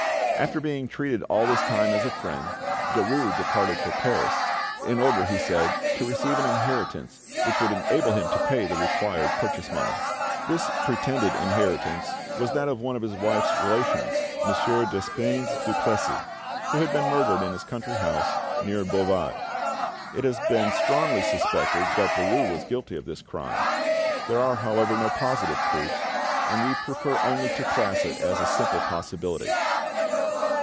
After being treated all this time as a friend, Derues departed for Paris, in order, he said, to receive an inheritance which would enable him to pay the required purchase money. This pretended inheritance was that of one of his wife's relations, Monsieur Despeignes Duplessis, who had been murdered in his country house, near Beauvais. It has been strongly suspected that Derues was guilty of this crime. There are, however, no positive proofs, and we prefer only to class it as a simple possibility.